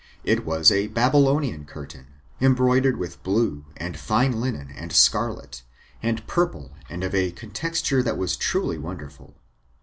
It was a Babylonian curtain, embroidered with blue, and fine linen, and scarlet, and purple, and of a contexture that was truly wonderful.